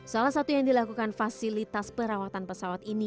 salah satu yang dilakukan fasilitas perawatan pesawat ini